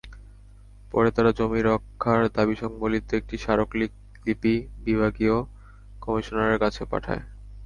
পরে তারা জমি রক্ষার দাবিসংবলিত একটি স্মারকলিপি বিভাগীয় কমিশনারের কাছে পাঠায়।